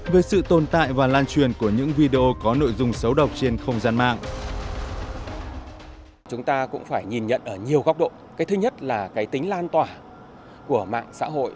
về sự tồn tại và lan truyền của những video có nội dung xấu độc trên không gian mạng